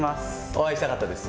お会いしたかったです。